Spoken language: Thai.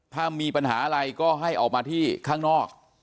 ถ้ามีปัญหาอะไรก็ให้ออกมาที่ข้างนอก